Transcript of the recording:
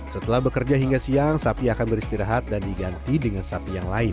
setelah bekerja hingga siang sapi akan beristirahat dan diganti dengan sapi yang lain